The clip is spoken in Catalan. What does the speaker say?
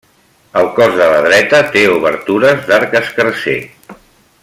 El cos de la dreta té obertures d'arc escarser.